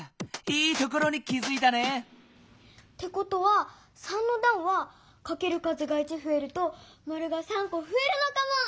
いいところに気づいたね！ってことは３のだんはかける数が１ふえるとマルが３こふえるのかも。